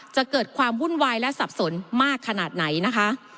จะเกิดความวุ่นวายและสับสนมากขนาดไหนนะคะ